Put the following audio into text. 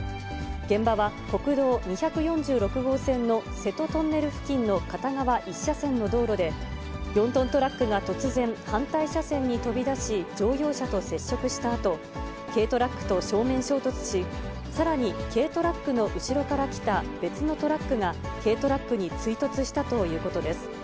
現場は国道２４６号線の瀬戸トンネル付近の片側１車線の道路で、４トントラックが突然、反対車線に飛び出し、乗用車と接触したあと、軽トラックと正面衝突し、さらに軽トラックの後ろから来た別のトラックが軽トラックに追突したということです。